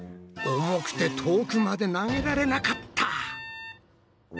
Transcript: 重くて遠くまで投げられなかった。